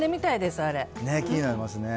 ね、気になりますね。